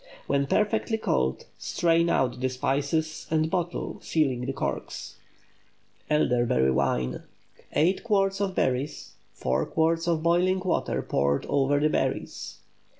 When perfectly cold, strain out the spices, and bottle, sealing the corks. ELDERBERRY WINE. 8 quarts of berries. 4 quarts of boiling water poured over the berries.